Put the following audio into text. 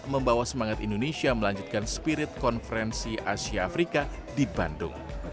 membawa semangat indonesia melanjutkan spirit konferensi asia afrika di bandung